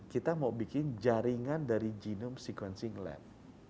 kita mau bikin jaringan dari genome sequencing lab